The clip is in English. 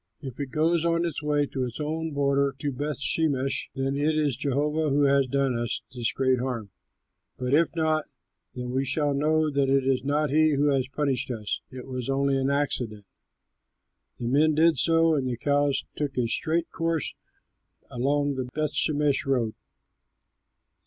If it goes on the way to its own border, to Bethshemesh, then it is Jehovah who has done us this great harm; but if not, then we shall know that it is not he who has punished us; it was only an accident." The men did so, and the cows took a straight course along the Bethshemesh road.